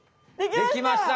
できました！